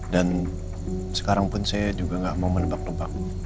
dan sekarang pun saya juga gak mau menebak nebak